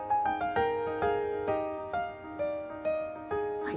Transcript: はい。